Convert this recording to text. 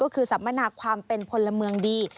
ก็คือสัมมนาความเป็นพลเมืองดี